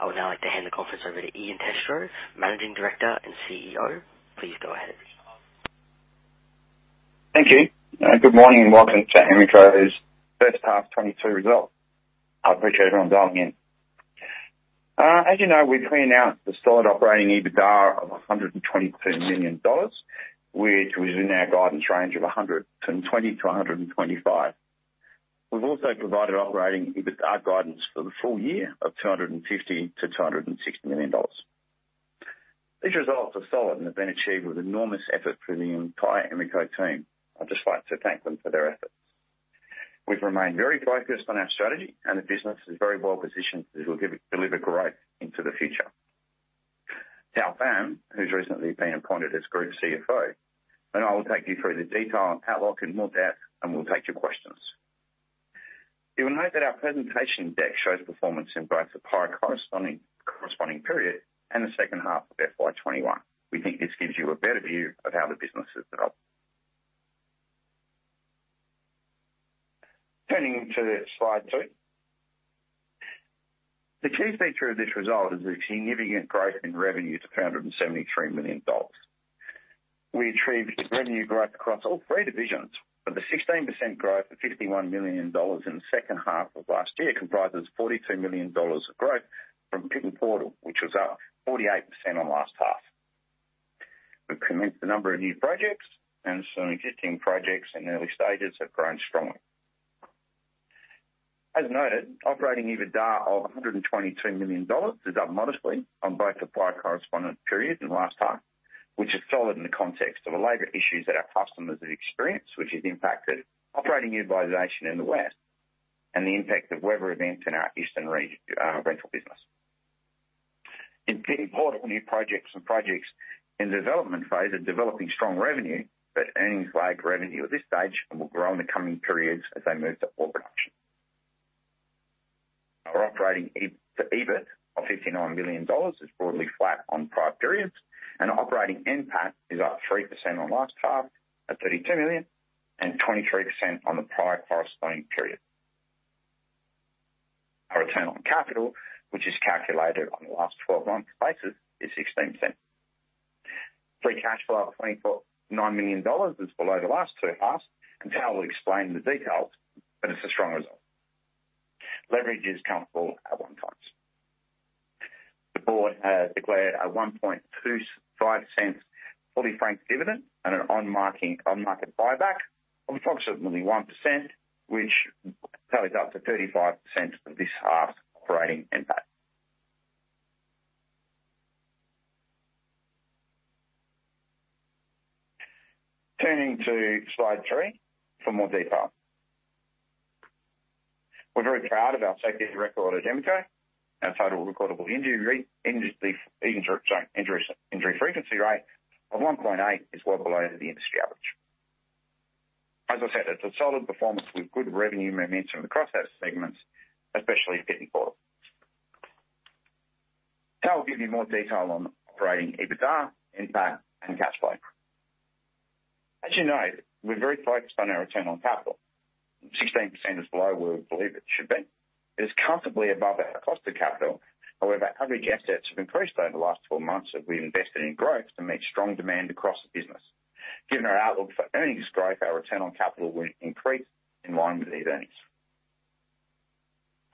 I would now like to hand the conference over to Ian Testrow, Managing Director and CEO. Please go ahead. Thank you. Good morning and welcome to Emeco's H1 2022 results. I appreciate everyone dialing in. As you know, we've announced a solid operating EBITDA of 122 million dollars, which was in our guidance range of 120 million-125 million. We've also provided operating EBITDA guidance for the full year of 250 million-260 million dollars. These results are solid and have been achieved with enormous effort from the entire Emeco team. I'd just like to thank them for their efforts. We've remained very focused on our strategy, and the business is very well-positioned to deliver growth into the future. Thao Pham, who's recently been appointed as Group CFO, and I will take you through the detail on outlook in more depth, and we'll take your questions. You will note that our presentation deck shows performance in both the prior corresponding period and the second half of FY 2021. We think this gives you a better view of how the business has developed. Turning to slide two. The key feature of this result is the significant growth in revenue to AUD 573 million. We achieved revenue growth across all three divisions, but the 16% growth of 51 million dollars in the second half of last year comprises 42 million dollars of growth from Pit N Portal, which was up 48% on last half. We've commenced a number of new projects, and some existing projects in the early stages have grown strongly. As noted, operating EBITDA of 122 million dollars is up modestly on both the prior corresponding periods and last half, which is solid in the context of the labor issues that our customers have experienced, which has impacted operating utilization in the West and the impact of weather events in our Eastern rental business. In Pit N Portal, new projects and projects in the development phase are developing strong revenue, but earnings lag revenue at this stage and will grow in the coming periods as they move to full production. Our operating EBIT of 59 million dollars is broadly flat on prior periods, and operating NPAT is up 3% on last half at 32 million and 23% on the prior corresponding period. Our return on capital, which is calculated on the last twelve months basis, is 16%. Free cash flow of 24.9 million dollars is below the last two halves, and Thao will explain the details, but it's a strong result. Leverage is comfortable at one times. The board has declared a 0.0125 fully franked dividend and an on-market buyback of approximately 1%, which totals up to 35% of this half's operating NPAT. Turning to slide three, for more detail. We're very proud of our safety record at Emeco. Our Total Recordable Injury Frequency Rate of 1.8 is well below the industry average. As I said, it's a solid performance with good revenue momentum across our segments, especially Pit N Portal. Thao will give you more detail on operating EBITDA, NPAT, and cash flow. As you know, we're very focused on our return on capital. 16% is below where we believe it should be. It is comfortably above our cost of capital. However, our average assets have increased over the last 12 months as we invested in growth to meet strong demand across the business. Given our outlook for earnings growth, our return on capital will increase in line with these earnings.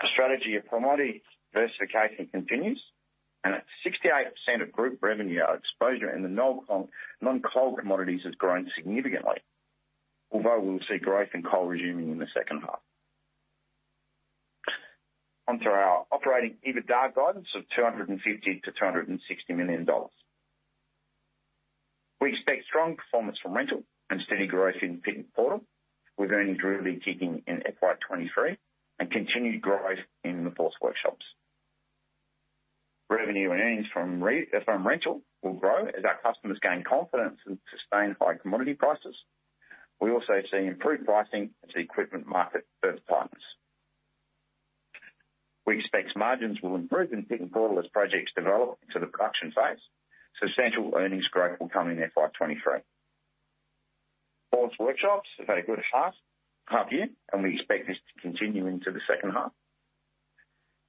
Our strategy of commodity diversification continues, and at 68% of group revenue, our exposure in the non-coal commodities has grown significantly. Although we will see growth in coal resuming in the second half. Onto our operating EBITDA guidance of 250 million-260 million dollars. We expect strong performance from Rental and steady growth in Pit N Portal, with earnings really kicking in FY 2023 and continued growth in the Force Workshops. Revenue and earnings from Rental will grow as our customers gain confidence in sustained high commodity prices. We also see improved pricing as the equipment market softens. We expect margins will improve in Pit N Portal as projects develop into the production phase. Substantial earnings growth will come in FY 2023. Force Equipment has had a good half year, and we expect this to continue into the second half.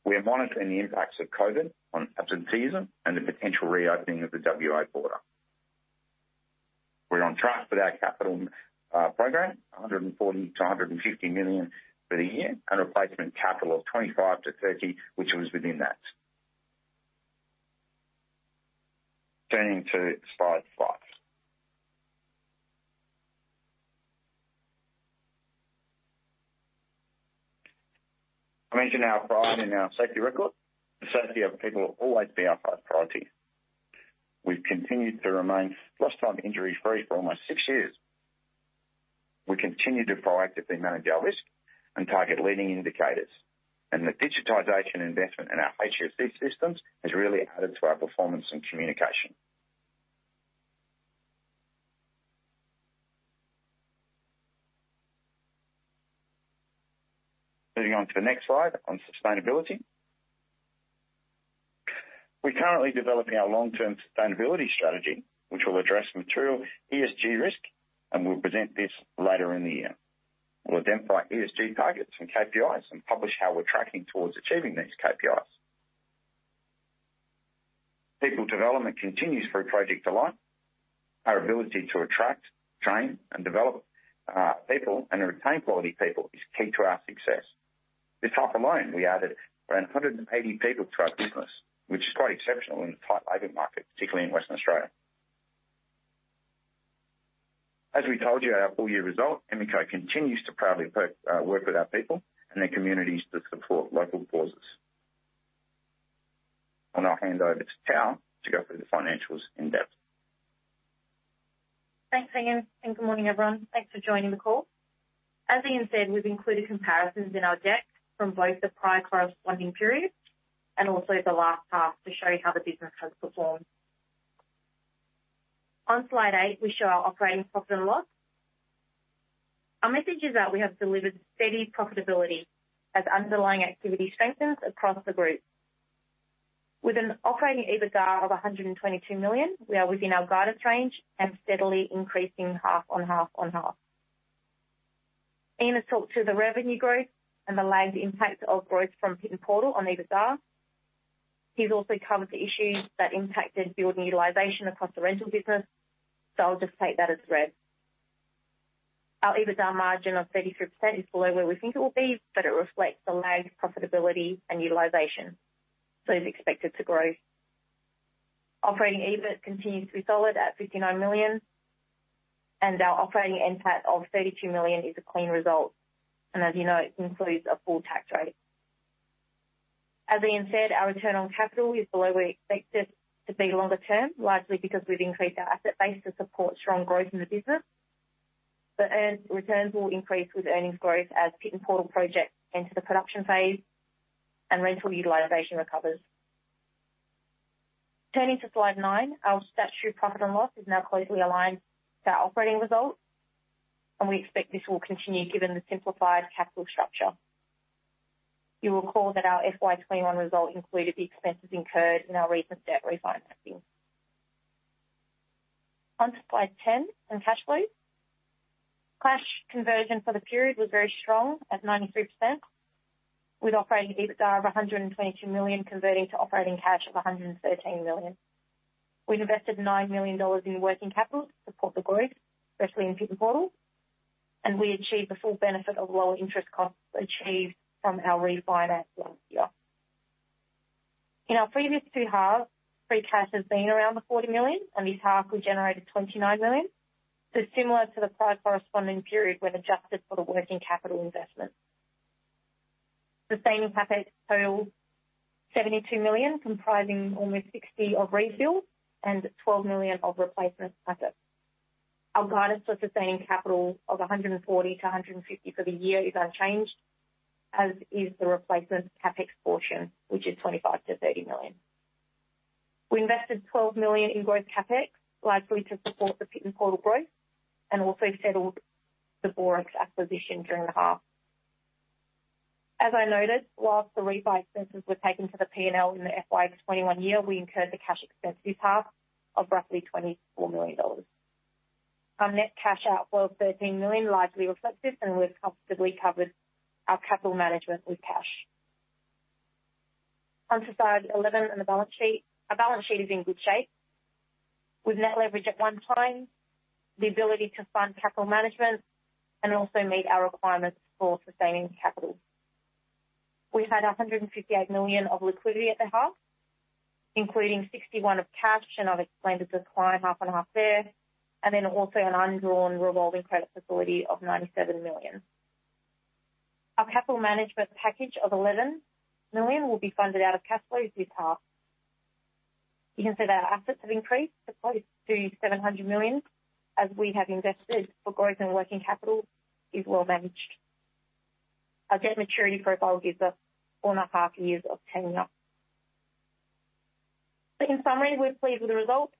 We are monitoring the impacts of COVID on absenteeism and the potential reopening of the WA border. We're on track with our capital program, 140 million-150 million for the year, and replacement capital of 25 million-30 million, which was within that. Turning to slide five. I mentioned our pride in our safety record. The safety of people will always be our first priority. We've continued to remain Lost Time Injury-free for almost six years. We continue to proactively manage our risk and target leading indicators, and the digitization investment in our HSE systems has really added to our performance and communication. Moving on to the next slide on sustainability. We're currently developing our long-term sustainability strategy, which will address material ESG risk, and we'll present this later in the year. We'll identify ESG targets and KPIs and publish how we're tracking towards achieving these KPIs. People development continues through Project Alive. Our ability to attract, train, and develop people and retain quality people is key to our success. This half alone, we added around 180 people to our business, which is quite exceptional in a tight labor market, particularly in Western Australia. As we told you at our full-year result, Emeco continues to proudly work with our people and their communities to support local causes. I'll hand over to Thao to go through the financials in-depth. Thanks, Ian, and good morning, everyone. Thanks for joining the call. As Ian said, we've included comparisons in our deck from both the prior corresponding periods and also the last half to show you how the business has performed. On slide eight, we show our operating profit and loss. Our message is that we have delivered steady profitability as underlying activity strengthens across the group. With an operating EBITDA of 122 million, we are within our guidance range and steadily increasing half on half on half. Ian has talked to the revenue growth and the lagged impact of growth from Pit N Portal on EBITDA. He's also covered the issues that impacted fleet utilization across the rental business, so I'll just take that as read. Our EBITDA margin of 33% is below where we think it will be, but it reflects the lagged profitability and utilization, so it's expected to grow. Operating EBIT continues to be solid at 59 million, and our operating NPAT of 32 million is a clean result, and as you know, it includes a full tax rate. As Ian said, our return on capital is below where we expect it to be longer term, likely because we've increased our asset base to support strong growth in the business. Earned returns will increase with earnings growth as Pit N Portal projects enter the production phase and rental utilization recovers. Turning to slide nine, our statutory profit and loss is now closely aligned to our operating results, and we expect this will continue given the simplified capital structure. You'll recall that our FY 2021 result included the expenses incurred in our recent debt refinancing. On to slide 10, on cash flows. Cash conversion for the period was very strong at 93%, with operating EBITDA of 122 million converting to operating cash of 113 million. We've invested AUD 9 million in working capital to support the group, especially in Pit N Portal, and we achieved the full benefit of lower interest costs achieved from our refinance last year. In our previous two halves, free cash has been around the 40 million, and this half we generated 29 million. Similar to the prior corresponding period, when adjusted for the working capital investment. Sustaining CapEx totaled 72 million, comprising almost 60 of rebuilds and 12 million of replacement CapEx. Our guidance for sustaining capital of 140 million-150 million for the year is unchanged, as is the replacement CapEx portion, which is 25 million-30 million. We invested 12 million in growth CapEx, likely to support the Pit N Portal growth, and also settled the Borex acquisition during the half. As I noted, while the refi expenses were taken to the P&L in the FY 2021 year, we incurred the cash expense this half of roughly 24 million dollars. Our net cash outflow of 13 million likely reflects this, and we've comfortably covered our capital management with cash. On to slide 11 and the balance sheet. Our balance sheet is in good shape with net leverage at 1x, the ability to fund capital management, and also meet our requirements for sustaining capital. We had 158 million of liquidity at the half, including 61 million of cash, and I've explained the decline half on half there, and then also an undrawn revolving credit facility of 97 million. Our capital management package of 11 million will be funded out of cash flows this half. You can see that our assets have increased to close to 700 million as we have invested for growth. Working capital is well managed. Our debt maturity profile gives us four and a half years of paying up. In summary, we're pleased with the results.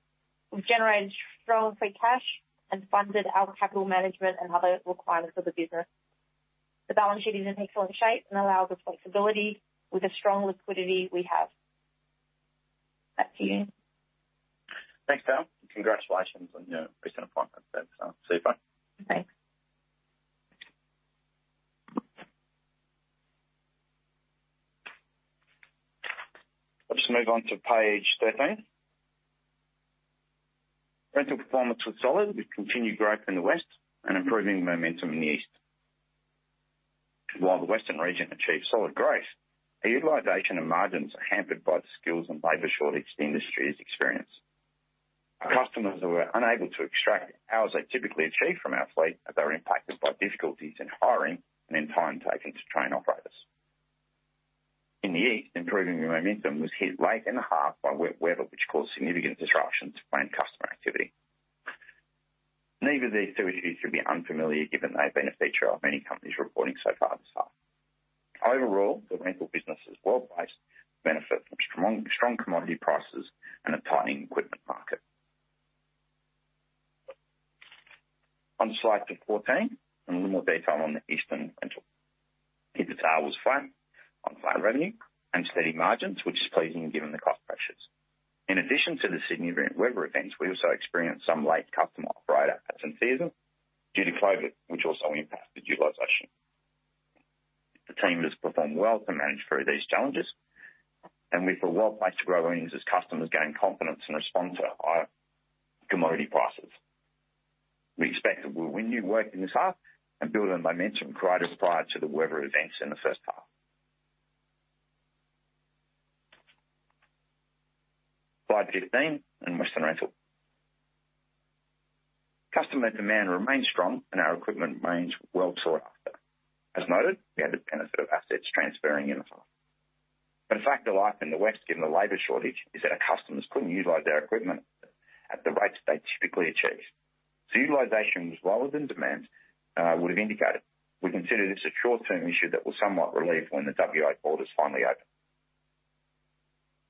We've generated strong free cash and funded our capital management and other requirements of the business. The balance sheet is in excellent shape and allows us flexibility with the strong liquidity we have. Back to you. Thanks, Thao, and congratulations on your recent appointment. That's super. Thanks. Let's move on to page 13. Rental performance was solid with continued growth in the West and improving momentum in the East. While the Western region achieved solid growth, the utilization and margins are hampered by the skills and labor shortage the industry is experiencing. Our customers were unable to extract hours they typically achieve from our fleet as they were impacted by difficulties in hiring and the time taken to train operators. In the East, the improving momentum was hit late in the half by wet weather, which caused significant disruption to planned customer activity. Neither of these two issues should be unfamiliar given they've been a feature of many companies reporting so far this half. Overall, the rental business is well-placed to benefit from strong commodity prices and a tightening equipment market. On slide 14 and a little more detail on the eastern rental. EBITDA was flat on flat revenue and steady margins, which is pleasing given the cost pressures. In addition to the significant weather events, we also experienced some late customer operator season due to COVID, which also impacted utilization. The team has performed well to manage through these challenges, and we feel well-placed to grow earnings as customers gain confidence and respond to our commodity prices. We expect that we'll win new work in this half and build on momentum created prior to the weather events in the first half. Slide 15 in Western Rental. Customer demand remains strong and our equipment remains well sought after. As noted, we had the benefit of assets transferring in the fall. The fact of life in the West, given the labor shortage, is that our customers couldn't utilize their equipment at the rates they typically achieve. Utilization was lower than demand would have indicated. We consider this a short-term issue that will somewhat relieve when the WA borders finally open.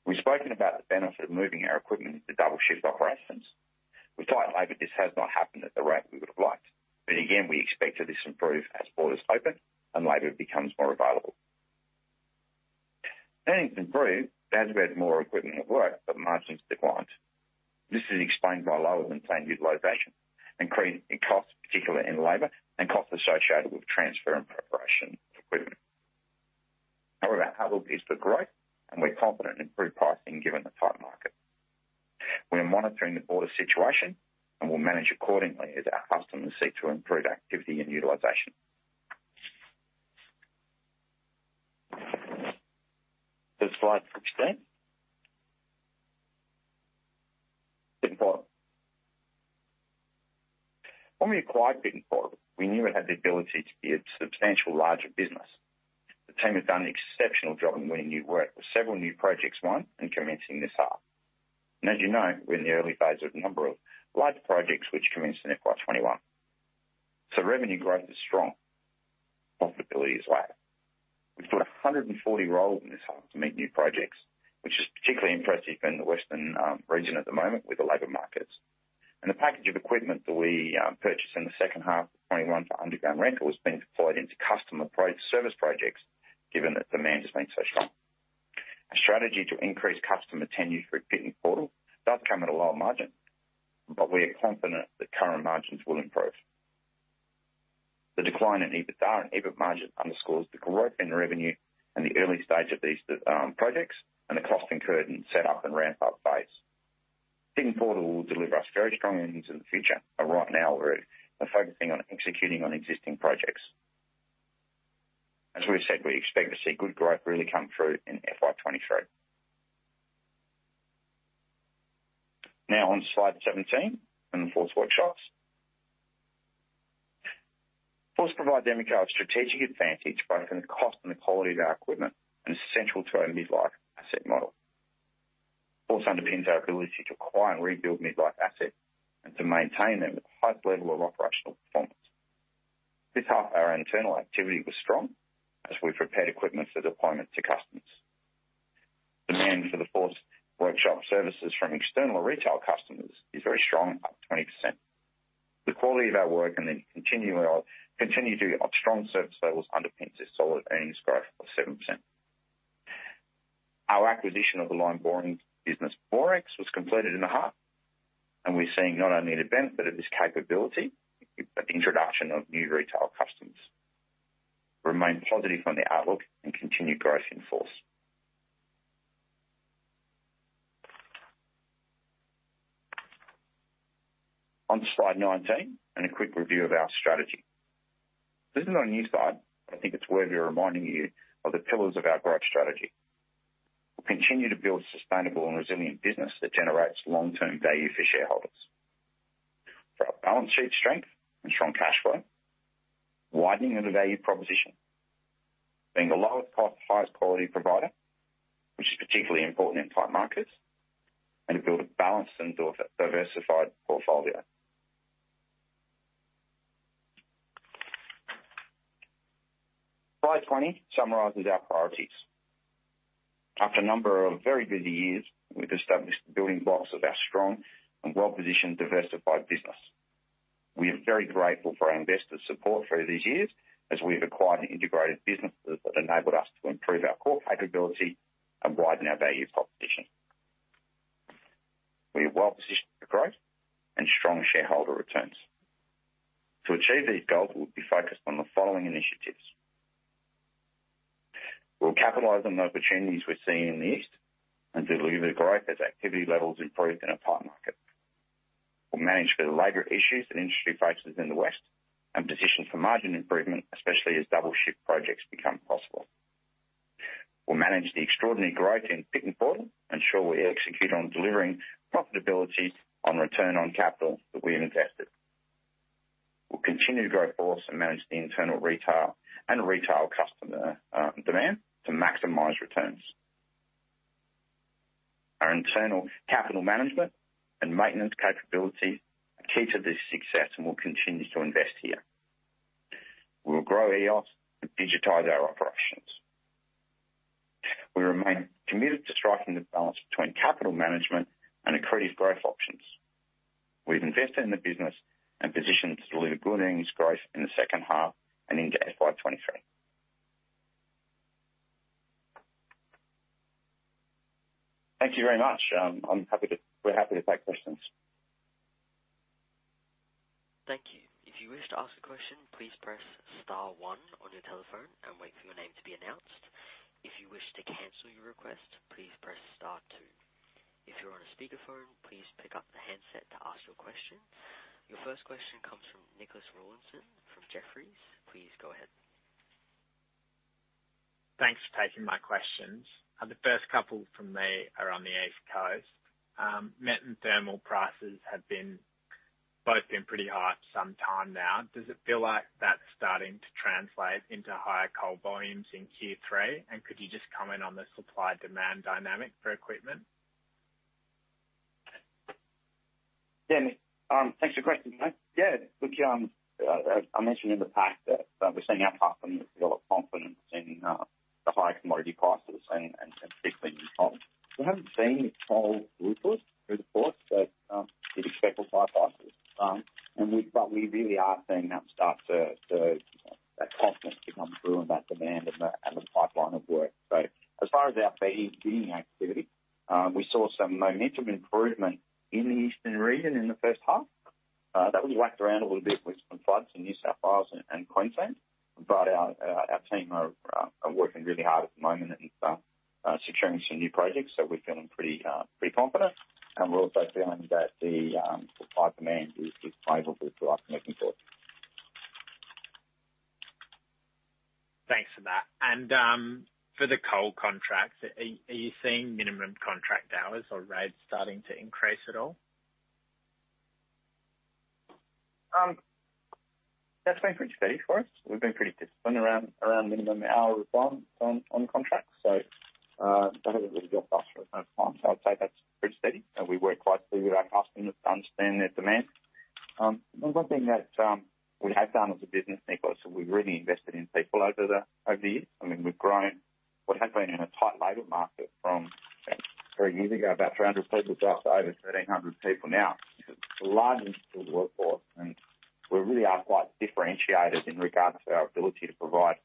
We've spoken about the benefit of moving our equipment to double-shift operations. With tight labor, this has not happened at the rate we would have liked. Again, we expect that this will improve as borders open and labor becomes more available. Earnings improved as we had more equipment at work, but margins declined. This is explained by lower than planned utilization, increased costs, particularly in labor, and costs associated with transfer and preparation of equipment. However, our outlook is for growth and we're confident in improved pricing given the tight market. We are monitoring the border situation and will manage accordingly as our customers seek to improve activity and utilization. To slide sixteen. Pit N Portal. When we acquired Pit N Portal, we knew it had the ability to be a substantial larger business. The team has done an exceptional job in winning new work, with several new projects won and commencing this half. As you know, we're in the early phase of a number of large projects which commenced in FY 2021. Revenue growth is strong. Profitability is light. We've put 140 roles in this half to meet new projects, which is particularly impressive in the Western region at the moment with the labor markets. The package of equipment that we purchased in the second half of 2021 for underground rental has been deployed into customer service projects given that demand has been so strong. Our strategy to increase customer tenure through Pit N Portal does come at a lower margin, but we are confident that current margins will improve. The decline in EBITDA and EBIT margin underscores the growth in revenue and the early stage of these projects and the cost incurred in set up and ramp up phase. Pit N Portal will deliver us very strong earnings in the future, but right now we're focusing on executing on existing projects. As we said, we expect to see good growth really come through in FY 2023. Now on slide 17 in Force Equipment. Force provide a key part strategic advantage, both in the cost and the quality of our equipment, and is central to our mid-life asset model. Force underpins our ability to acquire and rebuild mid-life assets and to maintain them at the highest level of operational performance. This half, our internal activity was strong as we prepared equipment for deployment to customers. Demand for the Force Workshop services from external retail customers is very strong, up 20%. The quality of our work and the continuity of strong service levels underpins this solid earnings growth of 7%. Our acquisition of the line boring business, Borex, was completed in the half, and we're seeing not only the benefit of this capability, but the introduction of new retail customers. We remain positive on the outlook and continued growth in Force. On to slide 19 and a quick review of our strategy. This is not a new slide. I think it's worthy of reminding you of the pillars of our growth strategy. We'll continue to build sustainable and resilient business that generates long-term value for shareholders. Through our balance sheet strength and strong cash flow, widening of the value proposition, being the lowest cost, highest quality provider, which is particularly important in tight markets, and to build a balanced and diversified portfolio. Slide 20 summarizes our priorities. After a number of very busy years, we've established the building blocks of our strong and well-positioned, diversified business. We are very grateful for our investors' support through these years as we've acquired and integrated businesses that enabled us to improve our core capability and widen our value proposition. We are well-positioned for growth and strong shareholder returns. To achieve these goals, we'll be focused on the following initiatives. We'll capitalize on the opportunities we're seeing in the east and deliver growth as activity levels improve in a tight market. We'll manage the labor issues that industry faces in the West and position for margin improvement, especially as double shift projects become possible. We'll manage the extraordinary growth in Pit N Portal, ensure we execute on delivering profitability on return on capital that we have invested. We'll continue to grow Force and manage the internal rental and rental customer demand to maximize returns. Our internal capital management and maintenance capabilities are key to this success and will continue to invest here. We will grow EOS and digitize our operations. Remain committed to striking the balance between capital management and accretive growth options. We've invested in the business and positioned to deliver good earnings growth in the second half and into FY 2023. Thank you very much. We're happy to take questions. Thank you. If you wish to ask a question, please press star one on your telephone and wait for your name to be announced. If you wish to cancel your request, please press star two. If you're on a speakerphone, please pick up the handset to ask your question. Your first question comes from Nicholas Rawlinson from Jefferies. Please go ahead. Thanks for taking my questions. The first couple from me are on the East Coast. Met and thermal prices have been pretty high for some time now. Does it feel like that's starting to translate into higher coal volumes in Q3? Could you just comment on the supply-demand dynamic for equipment? Yeah, Nick, thanks for your question. Yeah, look, I mentioned in the past that we're seeing our customers got confidence in the high commodity prices and particularly in coal. We haven't seen any [coal Rupert reports that hit expensive pipeline and we really are seeing that start to catch mistake on through and back again. And the pipeline of work. Right. As far as our bidding activity, we saw some momentum improvement in the Eastern region in the first half that we whacked around a little bit with floods in New South Wales and Queensland. But our team are working really hard at the moment securing some new projects. So we're feeling pretty confident. And we're also feeling that the flight command is labeled with Meckingfield.] Thanks for that. For the coal contracts, are you seeing minimum contract hours or rates starting to increase at all? That's been pretty steady for us. We've been pretty disciplined around minimum hours on contracts. I'd say that's pretty steady. We work closely with our customers to understand their demand. One thing that we have done as a business, Nicholas, we've really invested in people over the years. I mean, we've grown what has been in a tight labor market from three years ago, about 300 people to just over 1,300 people now. It's a large installed workforce, and we really are quite differentiated in regards to our ability to provide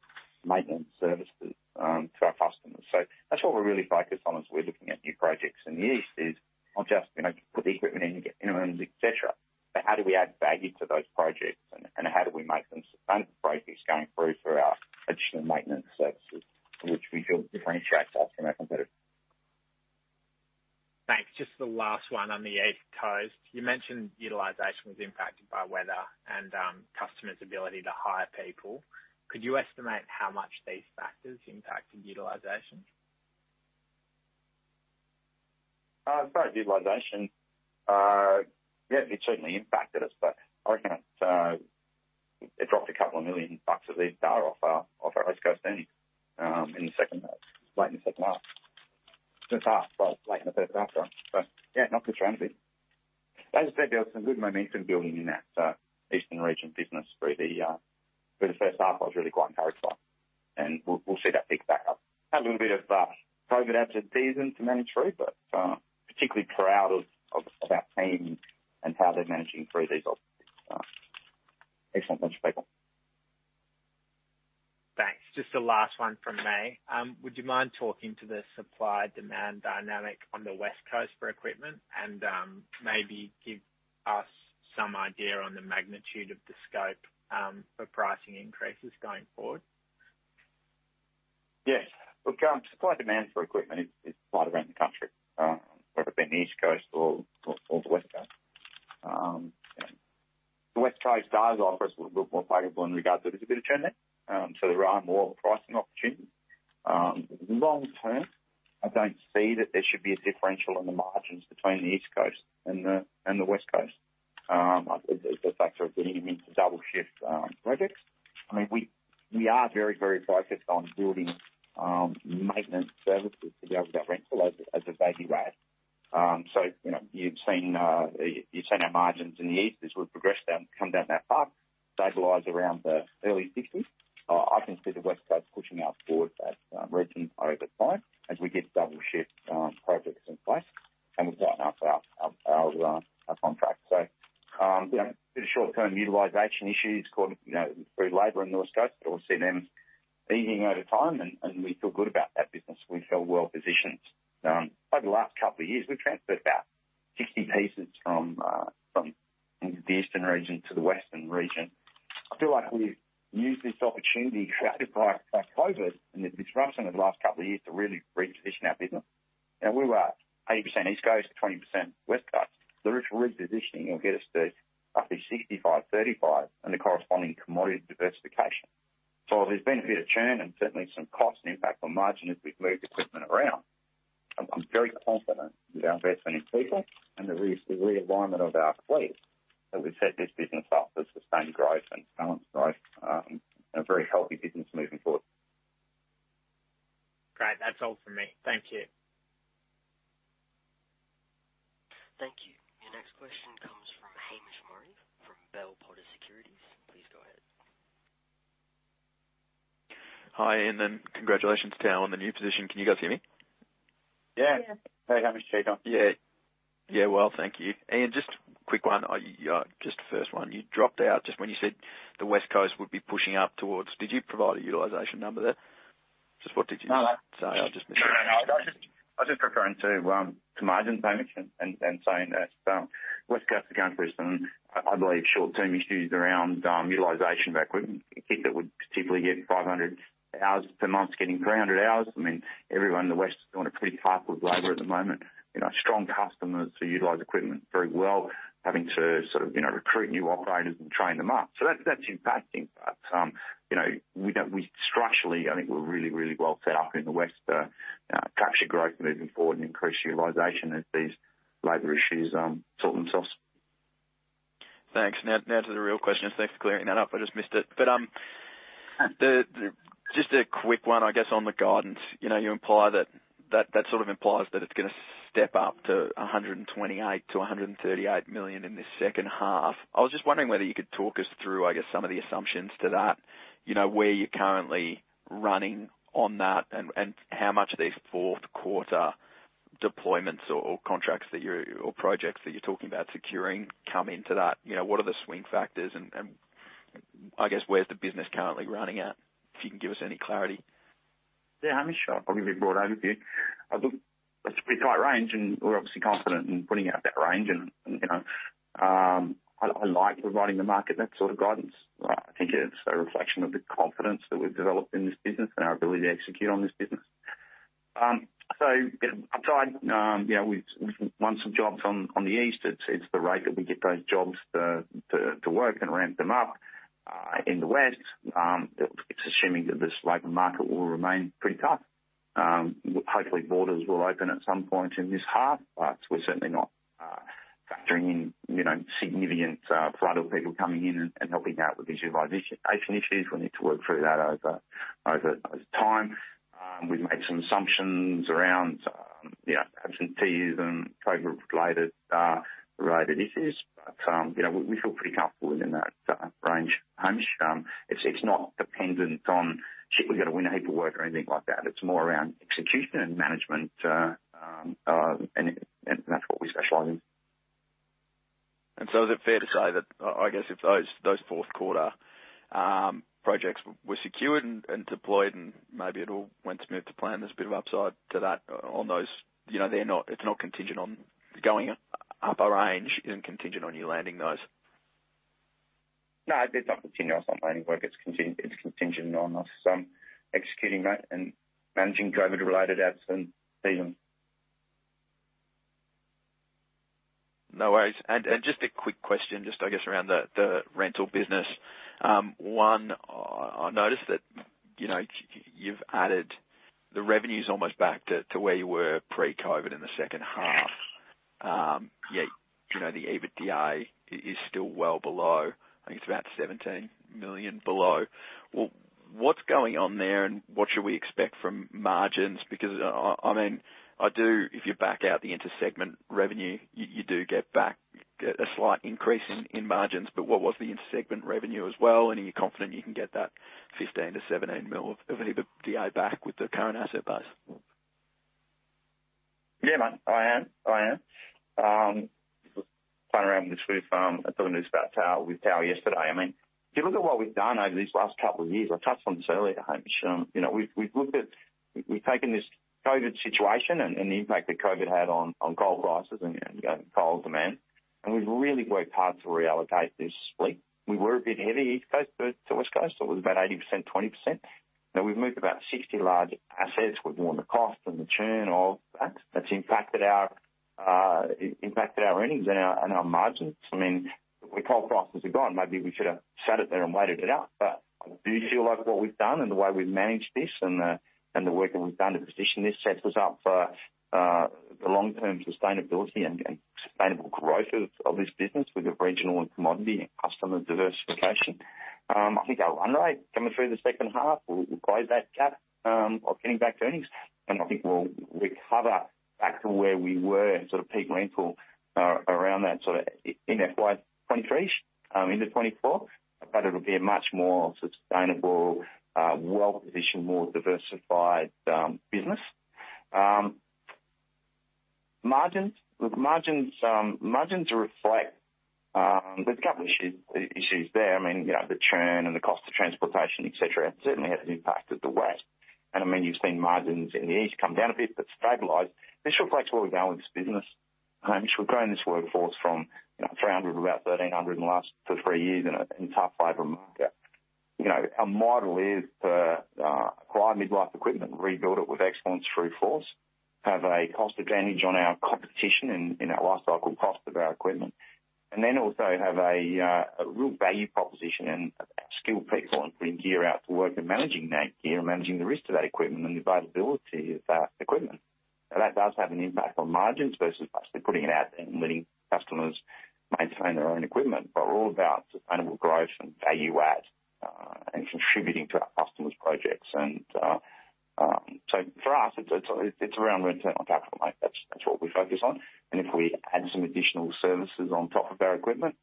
maintenance services to our customers. That's what we're really focused on as we're looking at new projects in the east, is not just, you know, put the equipment in, you get in the rooms, et cetera, but how do we add value to those projects and how do we make them sustainable projects going forward for our additional maintenance services, which we feel differentiates us from our competitors. Thanks. Just the last one on the East Coast. You mentioned utilization was impacted by weather and customers' ability to hire people. Could you estimate how much these factors impacted utilization? Sorry, utilization? Yeah, it certainly impacted us, but I reckon it dropped a couple of million bucks of EBITDA off our East Coast earnings late in the second half, late in the third quarter. Yeah, not good for anybody. As I said, there was some good momentum building in that Eastern region business through the first half I was really quite encouraged by. We'll see that pick back up. Had a little bit of COVID absences to manage through, but particularly proud of our team and how they're managing through these opportunities. Excellent bunch of people. Thanks. Just the last one from me. Would you mind talking to the supply-demand dynamic on the West Coast for equipment and, maybe give us some idea on the magnitude of the scope, for pricing increases going forward? Yes. Look, supply and demand for equipment is right around the country, whether it be in the East Coast or the West Coast. The West Coast does offer us a little bit more favorable in regards to there's a bit of churn there. So there are more pricing opportunities. Long term, I don't see that there should be a differential on the margins between the East Coast and the West Coast. It's just a factor of getting into double shift projects. I mean, we are very very focused on building maintenance services to be able to get rental as a value add. So you know, you've seen our margins in the East as we progress down that path stabilize around the early 60s%. I can see the West Coast pushing up towards that region over time as we get double shift projects in place and we tighten up our contract. Short-term utilization issues caused, you know, through labor in the West Coast, but we'll see them easing over time and we feel good about that business. We feel well positioned. Over the last couple of years, we've transferred about 60 pieces from the Eastern region to the Western region. I feel like we've used this opportunity created by COVID and the disruption of the last couple of years to really reposition our business. You know we were at 80% East Coast, 20% West Coast. The repositioning will get us to roughly 65-35 and the corresponding commodity diversification. There's been a bit of churn and certainly some cost and impact on margin as we've moved equipment around. I'm very confident with our investment in people and the realignment of our fleet, that we've set this business up for sustained growth and balanced growth, a very healthy business moving forward. Great. That's all for me. Thank you. Thank you. Your next question comes from Hamish Murray from Bell Potter Securities. Please go ahead. Hi, Ian, and congratulations to Thao on the new position. Can you guys hear me? Yeah. Yeah. Hey, Hamish. How you going? Yeah. Yeah, well, thank you. Ian, just a quick one. Just the first one. You dropped out just when you said the West Coast would be pushing up towards. Did you provide a utilization number there? Just what did you say? I just missed it. No, I was just referring to margin damage and saying that West Coast is going through some I believe short-term issues around utilization of our equipment. I think it would typically get 500 hours per month, getting 300 hours. I mean, everyone in the west is on a pretty tight pool of labor at the moment. You know, strong customers who utilize equipment very well, having to sort of, you know, recruit new operators and train them up. So that's impacting. You know, we structurally, I think we're really well set up in the west to capture growth moving forward and increase utilization as these labor issues sort themselves. Thanks. Now to the real question. Thanks for clearing that up. I just missed it. Just a quick one, I guess, on the guidance. You know, you imply that sort of implies that it's gonna step up to 128 million-138 million in this second half. I was just wondering whether you could talk us through, I guess, some of the assumptions to that. You know, where you're currently running on that and how much of these fourth quarter deployments or contracts or projects that you're talking about securing come into that? You know, what are the swing factors and I guess where's the business currently running at? If you can give us any clarity. Yeah, Hamish, I'll probably give a brief overview for you. I think it's a pretty tight range, and we're obviously confident in putting out that range and you know I like providing the market that sort of guidance. I think it's a reflection of the confidence that we've developed in this business and our ability to execute on this business. You know, outside, yeah, we've won some jobs on the east. It's the rate that we get those jobs to work and ramp them up in the west. It's assuming that this labor market will remain pretty tough. Hopefully borders will open at some point in this half, but we're certainly not factoring in you know significant flood of people coming in and helping out with the utilization issues. We need to work through that over time. We've made some assumptions around, you know, absentees and COVID related issues. You know, we feel pretty comfortable within that range, Hamish. It's not dependent on, "Shit, we gotta win a heap of work," or anything like that. It's more around execution and management, and that's what we specialize in. Is it fair to say that, I guess if those fourth quarter projects were secured and deployed and maybe it all went to plan, there's a bit of upside to that on those. You know, it's not contingent on going up a ramp and contingent on you landing those. No, it's not contingent on us landing work. It's contingent on us executing that and managing COVID-related absence, season. No worries. Just a quick question, I guess around the rental business. One, I noticed that, you know, you've added the revenues almost back to where you were pre-COVID in the second half. Yet, you know, the EBITDA is still well below. Flat 17 million below. Well, what's going on there and what should we expect from margins? Because I mean, I do. If you back out the inter-segment revenue, you do get back a slight increase in margins. What was the inter-segment revenue as well? And are you confident you can get that 15 million-17 million of EBITDA back with the current asset base? Yeah, man, I am. Playing around with this with, doing this about Thao Pham with Thao Pham yesterday. I mean, if you look at what we've done over these last couple of years, I touched on this earlier, Hamish, you know, we've looked at. We've taken this COVID situation and the impact that COVID had on coal prices and coal demand, and we've really worked hard to reallocate this fleet. We were a bit heavy east coast to west coast. It was about 80%, 20%. Now, we've moved about 60 large assets. We've worn the cost and the churn of that. That's impacted our earnings and our margins. I mean, if coal prices are gone, maybe we should have sat it there and waited it out. I do feel like what we've done and the way we've managed this and the work that we've done to position this sets us up for the long-term sustainability and sustainable growth of this business with the regional and commodity and customer diversification. I think our run rate coming through the second half will close that gap of getting back to earnings. I think we'll recover back to where we were in sort of peak rental around that sort of in FY 2023 into 2024. It'll be a much more sustainable well-positioned, more diversified business. Margins. Look, margins reflect there's a couple issues there. I mean, you know, the churn and the cost of transportation, et cetera, certainly has impacted the west. I mean, you've seen margins in the east come down a bit but stabilize. This reflects where we're going with this business. Hamish, we've grown this workforce from, you know, 300 in the last two to three years in a tough labor market. You know, our model is to acquire mid-life equipment and rebuild it with excellence through Force, have a cost advantage on our competition in our life cycle cost of our equipment, and then also have a real value proposition and skilled people on putting gear out to work and managing that gear and managing the risk of that equipment and the availability of that equipment. That does have an impact on margins versus us just putting it out there and letting customers maintain their own equipment. We're all about sustainable growth and value add, contributing to our customers' projects. For us, it's around return on capital, mate. That's what we focus on. If we add some additional services on top of our equipment,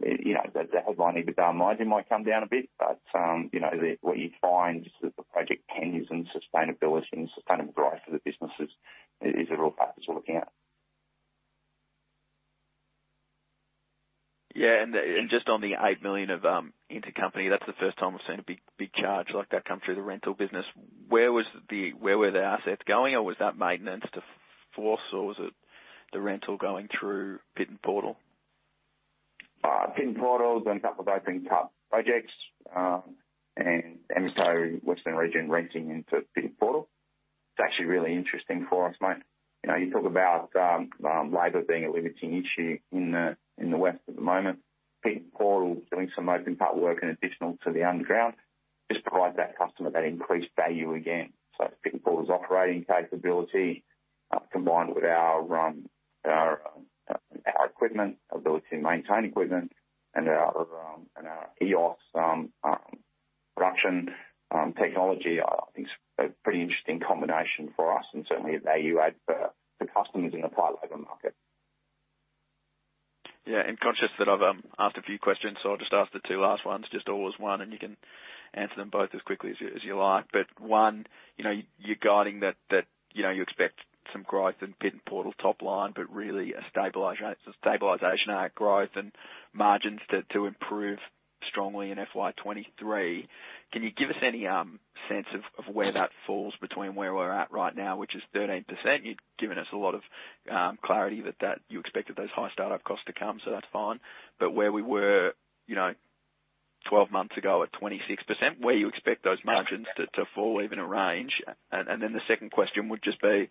the headline EBITDA margin might come down a bit but you know what you find is that the project tenure and sustainability and sustainable growth of the business is a real focus we're looking at. Just on the 8 million of intercompany, that's the first time we've seen a big charge like that come through the rental business. Where were the assets going? Or was that maintenance to Force or was it the rental going through Pit N Portal? Pit N Portal done a couple of open cut projects, and Emeco Western region renting into Pit N Portal. It's actually really interesting for us, mate. You know, you talk about labor being a limiting issue in the west at the moment. Pit N Portal doing some open cut work in addition to the underground just provides that customer that increased value again. Pit N Portal's operating capability combined with our our equipment ability to maintain equipment and our and our EOS production technology I think is a pretty interesting combination for us and certainly a value add for customers in a tight labor market. Yeah, I'm conscious that I've asked a few questions, so I'll just ask the two last ones, just all as one, and you can answer them both as quickly as you like. One, you know, you're guiding that you know, you expect some growth in Pit N Portal top line, but really a stabilization and growth and margins to improve strongly in FY 2023. Can you give us any sense of where that falls between where we're at right now, which is 13%. You've given us a lot of clarity that you expected those high startup costs to come, so that's fine. Where we were, you know, twelve months ago at 26%, where you expect those margins to land even a range. The second question would just be,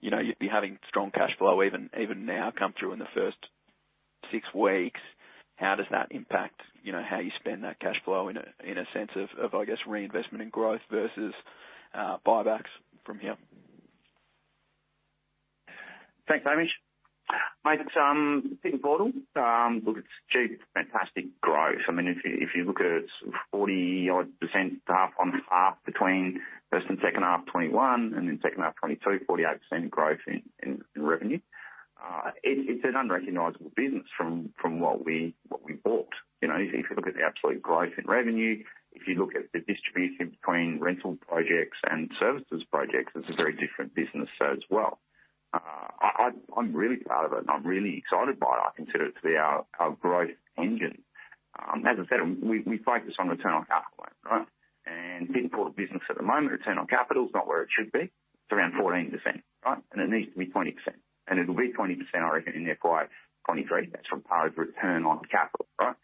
you know, you'd be having strong cash flow even now come through in the first six weeks. How does that impact, you know, how you spend that cash flow in a sense of, I guess, reinvestment in growth versus buybacks from here? Thanks, Hamish. Mate, Pit N Portal, look, it's achieved fantastic growth. I mean, if you look at its 40-odd% growth between H1 and H2 2021 and then H2 2022, 48% growth in revenue. It's an unrecognizable business from what we bought. You know, if you look at the absolute growth in revenue, if you look at the distribution between rental projects and services projects, it's a very different business as well. I'm really proud of it and I'm really excited by it. I consider it to be our growth engine. As I said, we focus on return on capital, right? Pit N Portal business at the moment, return on capital is not where it should be. It's around 14%, right? It needs to be 20%. It'll be 20%, I reckon, in FY 2023. That's from part of return on capital, right?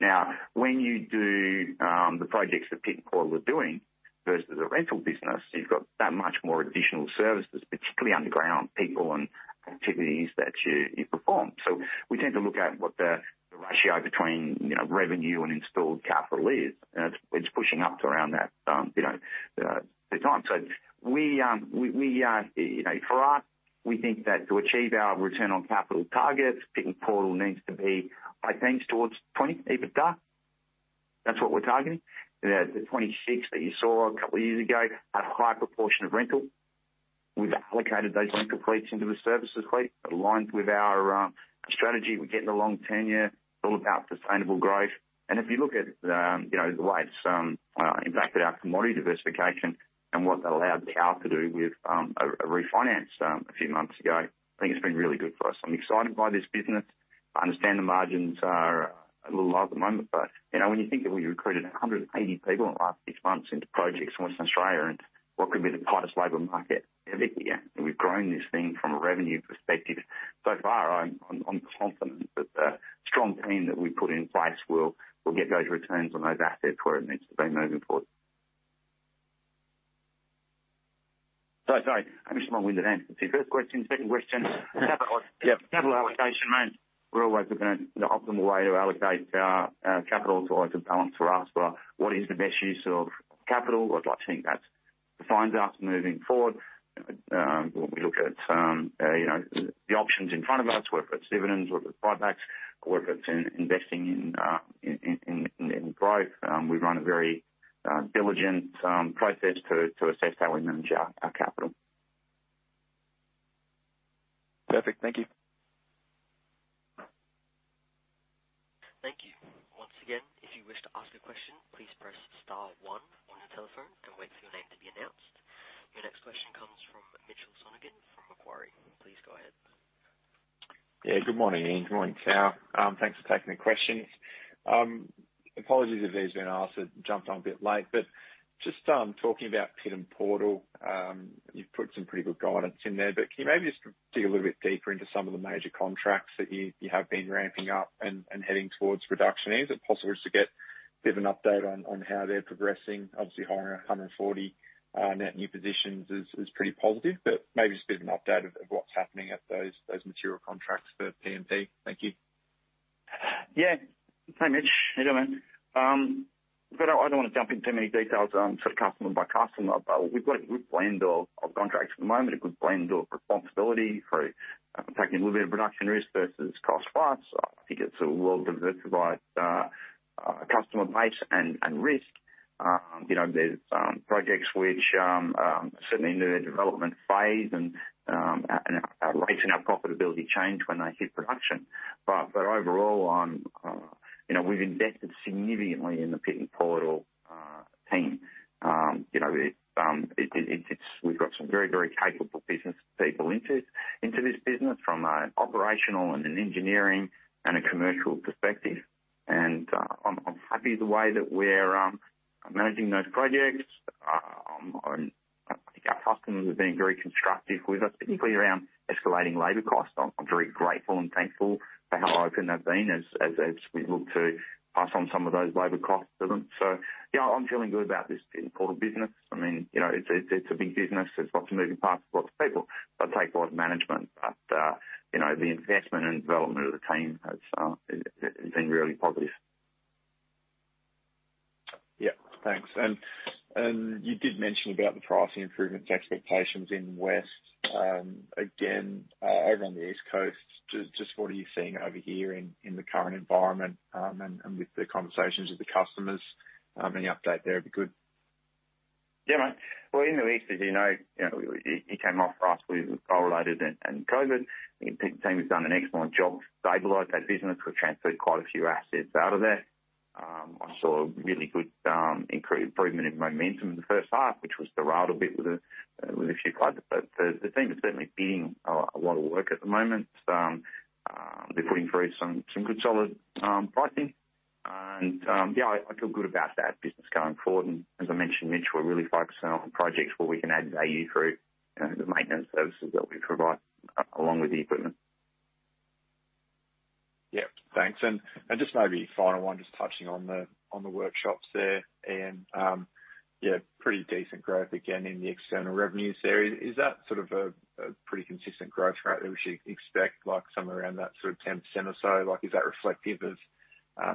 Now, when you do the projects that Pit N Portal are doing versus a rental business, you've got that much more additional services, particularly underground people and activities that you perform. So we tend to look at what the ratio between, you know, revenue and installed capital is. It's pushing up to around that, you know, the time. So we, you know, for us, we think that to achieve our return on capital targets, Pit N Portal needs to be, I think towards 20 EBITDA. That's what we're targeting. The 26 that you saw a couple of years ago, a high proportion of rental. We've allocated those rental fleets into the services fleet, aligned with our strategy. We're getting a long tenure, it's all about sustainable growth. If you look at, you know, the way it's impacted our commodity diversification and what that allowed Emeco to do with a refinance a few months ago, I think it's been really good for us. I'm excited by this business. I understand the margins are a little low at the moment, but, you know, when you think that we recruited 180 people in the last six months into projects in Western Australia, into what could be the tightest labor market ever here, and we've grown this thing from a revenue perspective, so far, I'm confident that the strong team that we've put in place will get those returns on those assets where it needs to be moving forward. Sorry, I'm just long-winded answering. First question. Second question. Capital allocation, mate. We're always looking at the optimal way to allocate our capital. It's always a balance for us. What is the best use of capital? I'd like to think that defines us moving forward. We look at, you know, the options in front of us, whether it's dividends, whether it's buybacks or if it's investing in growth. We run a very diligent process to assess how we manage our capital. Perfect. Thank you. Thank you. Once again, if you wish to ask a question, please press star one on your telephone and wait for your name to be announced. Your next question comes from Mitchell Sonogan from Macquarie. Please go ahead. Yeah. Good morning, Ian. Good morning, Thao. Thanks for taking the questions. Apologies if these have been asked. I jumped on a bit late, but just talking about Pit N Portal, you've put some pretty good guidance in there. Can you maybe just dig a little bit deeper into some of the major contracts that you have been ramping up and heading towards reduction? Is it possible just to get a bit of an update on how they're progressing? Obviously hiring 140 net new positions is pretty positive, but maybe just a bit of an update of what's happening at those material contracts for P&P. Thank you. Yeah. Hi, Mitch. How you doing, man? I don't wanna jump into any details, sort of customer by customer. We've got a good blend of contracts at the moment, a good blend of responsibility through. I'm taking a little bit of production risk versus cost price. I think it's a well-diversified customer base and risk. You know, there's projects which certainly in their development phase and our rates and our profitability change when they hit production. Overall I'm you know, we've invested significantly in the Pit N Portal team. You know, it it's we've got some very capable business people into this business from an operational and an engineering and a commercial perspective. I'm happy the way that we're managing those projects. I think our customers are being very constructive with us, particularly around escalating labor costs. I'm very grateful and thankful for how open they've been as we look to pass on some of those labor costs to them. Yeah, I'm feeling good about this Pit N Portal business. I mean, you know, it's a big business. There's lots of moving parts, lots of people that take a lot of management. You know, the investment and development of the team has been really positive. Yeah, thanks. You did mention about the pricing improvements expectations in the west. Again, over on the East Coast, just what are you seeing over here in the current environment, and with the conversations with the customers? Any update there would be good. Yeah, mate. Well, in the east, as you know, it came off for us. We correlated and COVID. The Pit N Portal team has done an excellent job to stabilize that business. We've transferred quite a few assets out of there. I saw a really good improvement in momentum in the first half, which was derailed a bit with a few cuts. The team is certainly bidding a lot of work at the moment. They're putting through some good solid pricing and, yeah, I feel good about that business going forward. As I mentioned, Mitch, we're really focusing on projects where we can add value through, you know, the maintenance services that we provide along with the equipment. Yep. Thanks. Just maybe final one, just touching on the workshops there, pretty decent growth again in the external revenues there. Is that sort of a pretty consistent growth rate that we should expect, like somewhere around that sort of 10% or so? Like, is that reflective of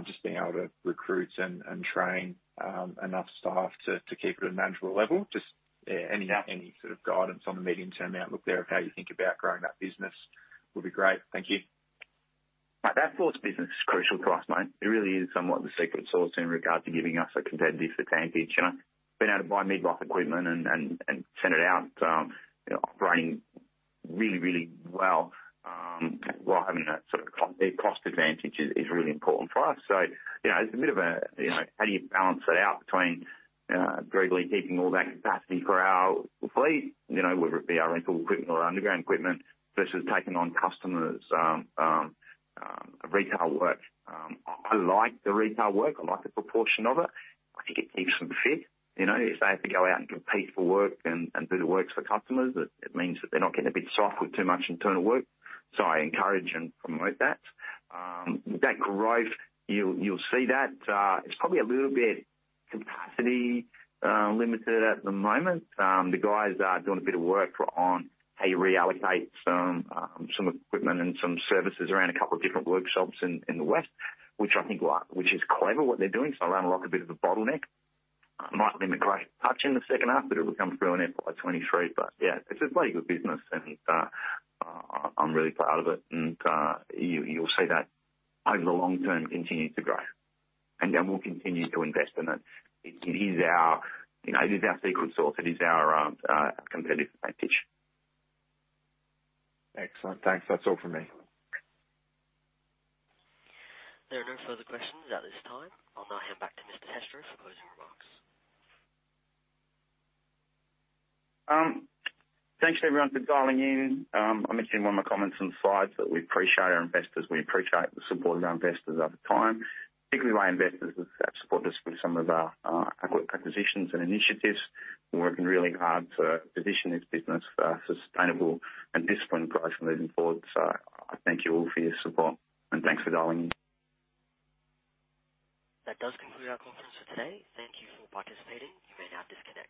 just being able to recruit and train enough staff to keep it at a manageable level? Just any sort of guidance on the medium-term outlook there of how you think about growing that business would be great. Thank you. Mate, that Force business is crucial to us, mate. It really is somewhat the secret sauce in regard to giving us a competitive advantage, you know. Being able to buy mid-life equipment and send it out operating really well while having that sort of cost advantage is really important for us. You know, it's a bit of a you know, how do you balance it out between really keeping all that capacity for our fleet, you know, whether it be our rental equipment or underground equipment, versus taking on customers' rebuild work. I like the rebuild work. I like the proportion of it. I think it keeps them fit. You know, if they have to go out and compete for work and do the works for customers, it means that they're not getting a bit soft with too much internal work. I encourage and promote that. That growth, you'll see that, it's probably a little bit capacity limited at the moment. The guys are doing a bit of work on how you reallocate some equipment and some services around a couple of different workshops in the west, which I think which is clever what they're doing. It'll unlock a bit of a bottleneck. It might limit growth a touch in the second half, but it'll come through in FY 2023. Yeah, it's a very good business and, I'm really proud of it. You'll see that over the long term continue to grow and then we'll continue to invest in it. It is our, you know, secret sauce. It is our competitive advantage. Excellent. Thanks. That's all for me. There are no further questions at this time. I'll now hand back to Mr. Testrow for closing remarks. Thanks everyone for dialing in. I mentioned in one of my comments and slides that we appreciate our investors. We appreciate the support of our investors over time, particularly the way investors have supported us through some of our acquisitions and initiatives. We're working really hard to position this business for sustainable and disciplined growth moving forward. I thank you all for your support and thanks for dialing in. That does conclude our conference for today. Thank you for participating. You may now disconnect.